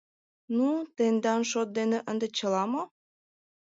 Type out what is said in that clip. Ну, тендан шот дене ынде чыла мо?